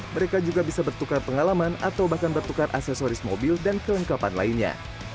mereka juga bisa bertukar pengalaman atau bahkan bertukar aksesoris mobil dan kelengkapan lainnya